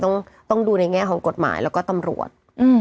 ต้องดูในแง่ของกฎหมายแล้วก็ตำรวจ